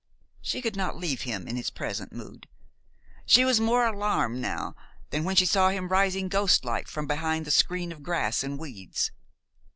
She could not leave him in his present mood. She was more alarmed now than when she saw him rising ghostlike from behind the screen of grass and weeds.